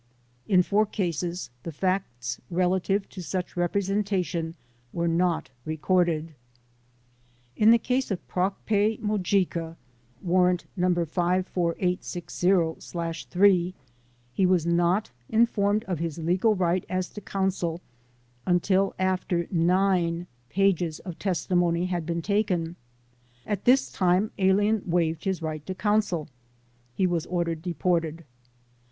In 4 cases the facts relative to such representation were not re corded. In the case of Prokpey Mojeika (Warrant No. 54860/ 3) he was not informed of his legal right as to counsel until after nine pages of testimnoy had been taken. At this time alien waived his right to counsel. He ivas or dered deported.